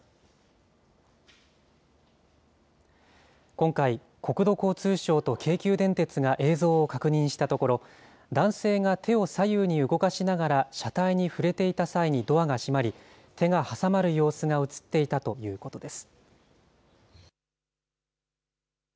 今回、国土交通省と京急電鉄が映像を確認したところ、男性が手を左右に動かしながら車体に触れていた際にドアが閉まり、手が挟まる様子が写っていたということです。